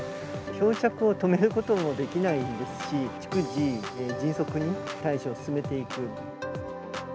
漂着を止めることもできないですし、逐次迅速に対処を進めていく。